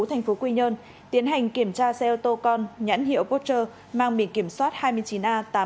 thành phố quy nhơn tiến hành kiểm tra xe ô tô con nhãn hiệu porsche mang bị kiểm soát